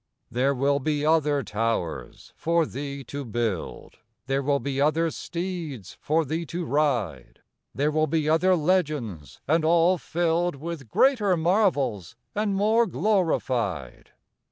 There will be other towers for thee to build; There will be other steeds for thee to ride; There will be other legends, and all filled With greater marvels and more glorified.